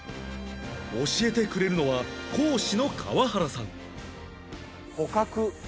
教えてくれるのは講師の川原さん